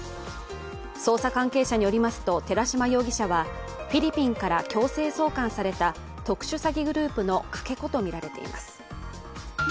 捜査関係者によりますと寺島容疑者はフィリピンから強制送還された特殊詐欺グループのかけ子とみられています。